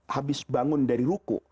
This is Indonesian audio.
habis bangun dari ruku